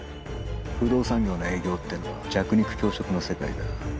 不動産業の営業ってのは弱肉強食の世界だ。